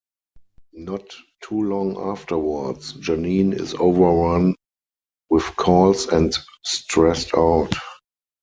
Not too long afterwards, Janine is overrun with calls and stressed out.